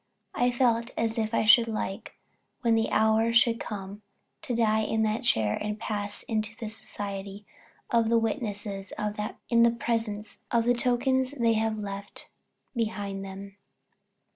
I felt as if I should like, when the hour should come, to die in that chair, and pass into the society of the witnesses in the presence of the tokens they had left behind them.